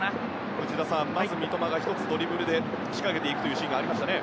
内田さん、まずは三笘が１つドリブルで仕掛けていくシーンがありました。